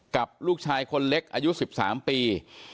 กับลูกชายคนเล็กอายุ๑๓ปี